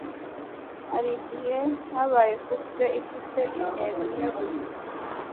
harigihe habaye couple ifite intebe imwe gusa